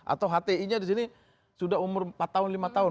atau hti nya di sini sudah umur empat tahun lima tahun